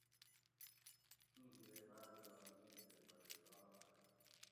ایں بیرے باۤر زیات نیک تے پرھیزگار آشی